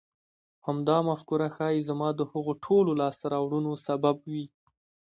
همدا مفکوره ښايي زما د هغو ټولو لاسته راوړنو سبب وي.